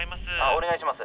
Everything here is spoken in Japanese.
☎お願いします。